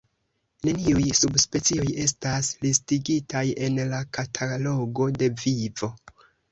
Neniuj subspecioj estas listigitaj en la Katalogo de Vivo.